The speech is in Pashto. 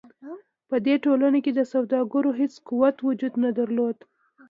په دې ټولنو کې د سوداګرو هېڅ قوت وجود نه درلود.